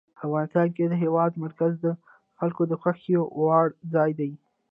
افغانستان کې د هېواد مرکز د خلکو د خوښې وړ ځای دی.